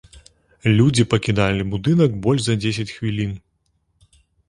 Людзі пакідалі будынак больш за дзесяць хвілін.